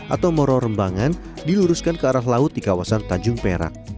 atau moro rembangan diluruskan ke arah laut di kawasan tanjung perak